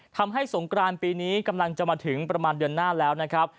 สงกรานปีนี้กำลังจะมาถึงประมาณเดือนหน้าแล้วนะครับ